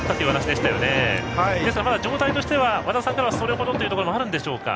ですが、まだ状態としては和田さんとしてはまだそれほどというところもあるんでしょうか？